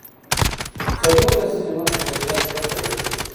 څلور لسیزې مخکې وضعیت بل ډول و.